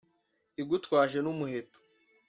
igutwaje n’umuheto